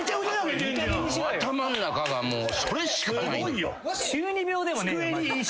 頭ん中がもうそれしかない。